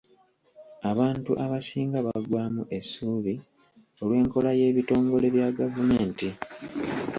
Abantu abasinga baggwaamu essuubi olw'enkola y’ebitongole bya gavumenti.